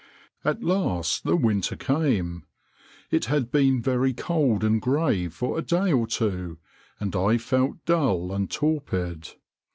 At last the winter came. It had been very cold and gray for a day or two, and I felt dull and torpid.